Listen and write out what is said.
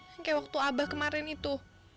yang kayak waktu abah kemarin itu